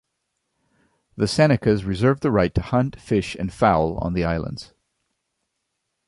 The Senecas reserved the right to hunt, fish and fowl on the islands.